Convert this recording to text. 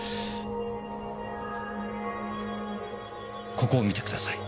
ここを見てください。